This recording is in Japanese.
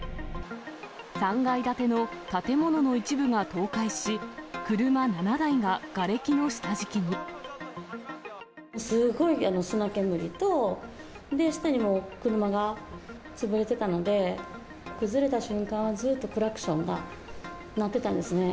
３階建ての建物の一部が倒壊し、すごい砂煙と、下にもう車が潰れてたので、崩れた瞬間はずっとクラクションが鳴ってたんですね。